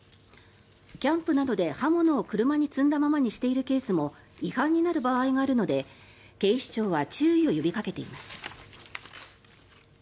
キャンプなどで刃物を車に積んだままにしているケースも違反になる場合があるので警視庁は注意を呼びかけています。